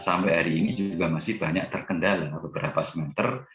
sampai hari ini juga masih banyak terkendala beberapa semester